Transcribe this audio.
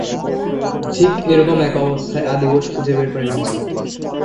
ঠিক এ রকম এক অবস্থায় আদি বোস খুঁজে বের করে ভিঞ্চিদাকে।